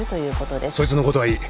そいつのことはいい。